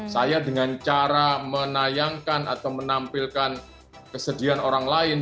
saya dengan cara menayangkan atau menampilkan kesedihan orang lain